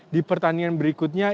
di pertandingan berikutnya